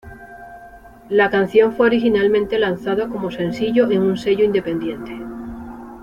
La canción fue originalmente lanzado como sencillo en un sello independiente.